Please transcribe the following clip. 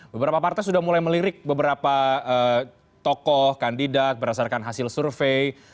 beberapa partai sudah mulai melirik beberapa tokoh kandidat berdasarkan hasil survei